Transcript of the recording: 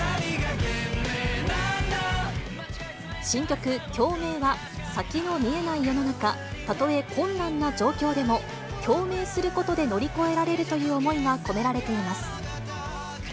新曲、共鳴は先の見えない世の中、たとえ困難な状況でも、共鳴することで乗り越えられるという思いが込められています。